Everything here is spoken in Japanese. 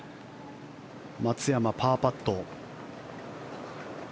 松山、パーパット。